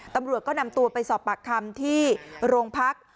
ตำรวจก็นำตัวไปสอบปากคำที่โรงพัก